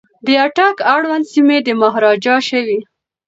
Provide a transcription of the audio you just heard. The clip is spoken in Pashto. د اټک اړوند سیمي د مهاراجا شوې.